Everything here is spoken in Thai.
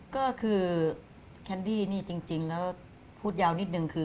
ก็คือแคนดี้นี่จริงแล้วพูดยาวนิดนึงคือ